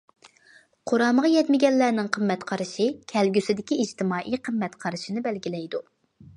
قۇرامىغا يەتمىگەنلەرنىڭ قىممەت قارىشى كەلگۈسىدىكى ئىجتىمائىي قىممەت قارىشىنى بەلگىلەيدۇ.